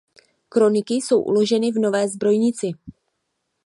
Kroniky jsou uloženy v nové zbrojnici.